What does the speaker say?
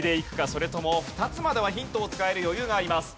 それとも２つまではヒントを使える余裕があります。